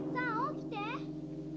さあ起きて！